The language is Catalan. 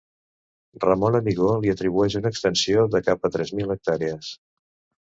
Ramon Amigó li atribueix una extensió de cap a tres mil hectàrees.